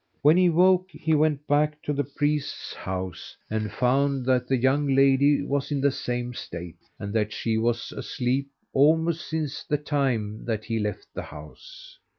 When he woke up he went back to the priest's house, and found that the young lady was in the same state, and that she was asleep almost since the time that he left the house.